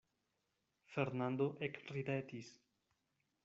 Fernando ekridetis.